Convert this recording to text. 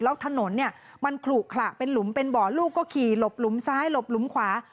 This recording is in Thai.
แล้วถนนเนี่ยมันขลุขระเป็นหลุมเป็นบ่อลูกก็ขี่หลบหลุมซ้ายหลบหลุมขวา